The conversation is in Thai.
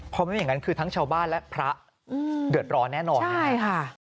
พอไม่มีอย่างนั้นคือทั้งชาวบ้านและพระเดือดร้อนแน่นอน